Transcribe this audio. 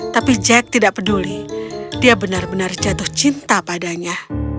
tapi jack tidak peduli dia benar benar jatuh cinta padanya